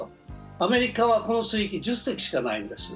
アメリカはこの水域１０隻しかないんです。